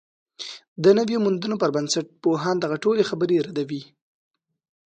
د نویو موندنو پر بنسټ، پوهان دغه ټولې خبرې ردوي